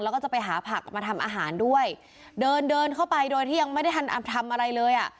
แล้วก็จะไปหาผักมาทำอาหารด้วยเดินเดินเข้าไปโดยที่ยังไม่ได้ทันทำอะไรเลยอ่ะ